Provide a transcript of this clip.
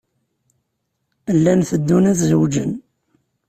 Llan teddun ad zewǧen.